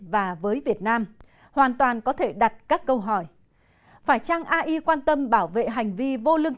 và với việt nam hoàn toàn có thể đặt các câu hỏi phải chăng ai quan tâm bảo vệ hành vi vô lương